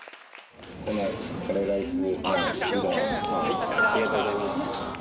この、ありがとうございます。